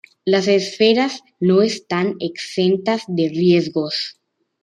Las esferas no están exentas de riesgos.